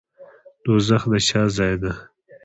دوزخ د چا ځای دی؟